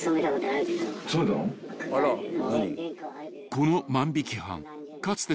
［この万引犯かつて］